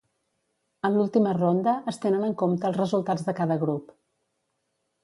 En l'última ronda, es tenen en compte els resultats de cada grup.